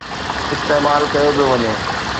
استعمال ڪيو پيو وڃي.